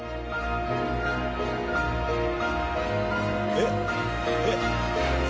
えっ？えっ？